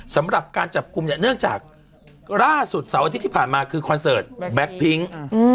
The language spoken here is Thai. สำหรับการจับกลุ่มเนื้อจากราศุทธิ์เสาอาทิตย์ที่ผ่านมาคือคอนเซิร์ตแบล็คพิง